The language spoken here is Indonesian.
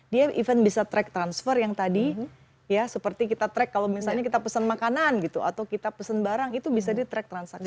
dia even bisa track transfer yang tadi ya seperti kita track kalau misalnya kita pesan makanan gitu atau kita pesen barang itu bisa di track transaksi